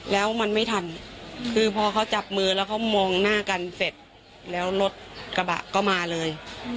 แล้วมันไม่ทันคือพอเขาจับมือแล้วเขามองหน้ากันเสร็จแล้วรถกระบะก็มาเลย